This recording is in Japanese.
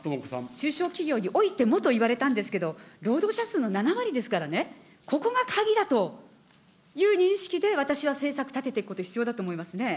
中小企業においてもと言われたんですけど、労働者数の７割ですからね、ここが鍵だという認識で、私は政策立てていくこと、必要だと思いますね。